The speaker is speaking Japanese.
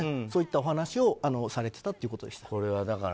そういったお話をされていたということです。